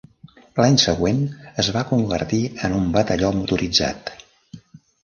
L'any següent es va convertir en un batalló motoritzat.